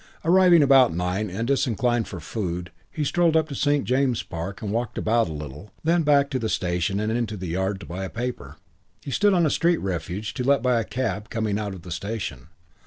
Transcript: Arriving about nine and disinclined for food, he strolled up to St. James's Park and walked about a little, then back to the station and into the yard to buy a paper. He stood on a street refuge to let by a cab coming out of the station.